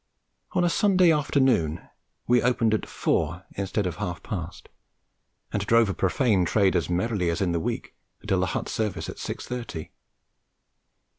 On a Sunday afternoon we opened at four instead of half past, and drove a profane trade as merrily as in the week until the hut service at six thirty.